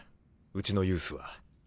うちのユースは。